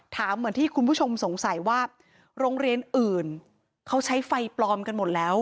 เหมือนที่คุณผู้ชมสงสัยว่าโรงเรียนอื่นเขาใช้ไฟปลอมกันหมดแล้ว